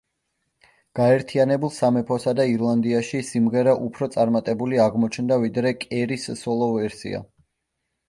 გაერთიანებულ სამეფოსა და ირლანდიაში სიმღერა უფრო წარმატებული აღმოჩნდა, ვიდრე კერის სოლო ვერსია.